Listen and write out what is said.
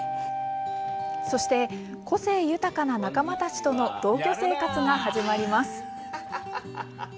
そして、個性豊かな仲間たちとの同居生活が始まります。